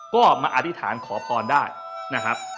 ก็มาอธิษฐานขอพรได้นะครับ